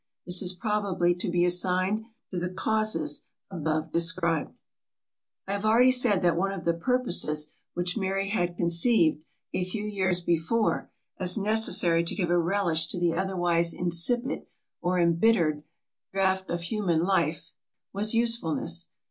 This is probably to be assigned to the causes above described. I have already said that one of the purposes which Mary had conceived, a few years before, as necessary to give a relish to the otherwise insipid, or embittered, draught of human life, was usefulness.